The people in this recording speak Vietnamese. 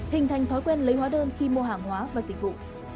hình thành thói quen lấy hóa đơn khi mua hàng hóa và dịch vụ